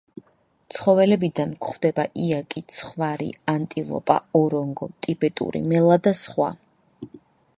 ცხოველებიდან გვხვდება იაკი, ცხვარი, ანტილოპა, ორონგო, ტიბეტური მელა და სხვა.